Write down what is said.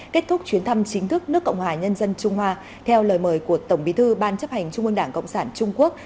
kết thúc chuyến thăm chính thức nước cộng hòa nhân dân trung hoa theo lời mời của tổng bí thư ban chấp hành trung ương đảng cộng sản trung quốc